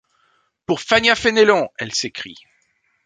Pour Fania Fénelon, elle s'écrie '.